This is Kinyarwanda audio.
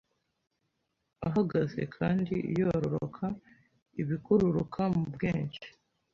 ahagaze kandi yororoka ibikururuka mu bwenge